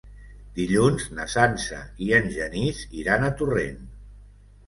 Dilluns na Sança i en Genís iran a Torrent.